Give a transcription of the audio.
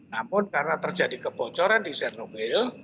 namun karena terjadi kebocoran di senowill